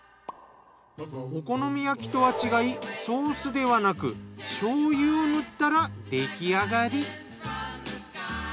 お好み焼きとは違いソースではなく醤油を塗ったら出来上がり。